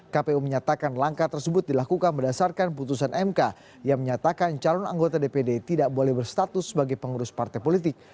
kpu menyatakan langkah tersebut dilakukan berdasarkan putusan mk yang menyatakan calon anggota dpd tidak boleh berstatus sebagai pengurus partai politik